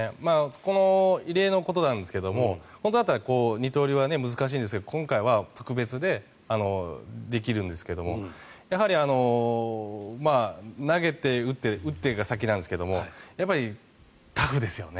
この異例のことなんですけど本当だったら二刀流は難しいんですけど今回は特別でできるんですけどやはり投げて打って打ってが先なんですけどやっぱりタフですよね。